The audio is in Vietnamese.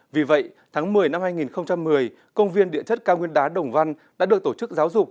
vì vậy tháng một mươi năm hai nghìn một mươi công viên địa chất cao nguyên đá đồng văn đã được tổ chức giáo dục